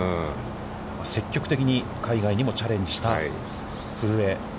積極的に海外にもチャレンジした古江。